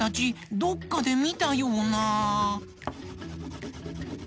どっかでみたような。